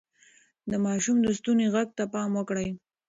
د ماشوم د ستوني غږ ته پام وکړئ.